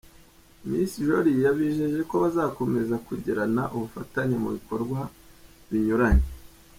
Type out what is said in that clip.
Miss Jolly yabijeje ko bazakomeza kugirana ubufatanye mu bikorwa binyuranye.